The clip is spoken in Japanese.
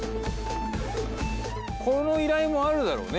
この依頼もあるだろうね。